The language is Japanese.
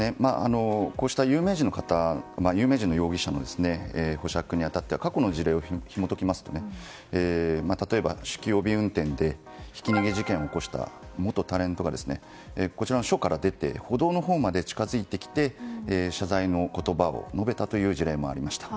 こうした有名人の容疑者の保釈に当たっては過去の事例をひも解きますと例えば、酒気帯び運転でひき逃げ事件を起こした元タレントがこちらの署から出て歩道のほうまで近づいてきて謝罪の言葉を述べたという事例もありました。